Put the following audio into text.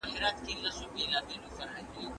د سبو زیات استعمال د خوب کیفیت ښه کوي.